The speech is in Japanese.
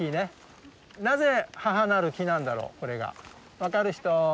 分かる人？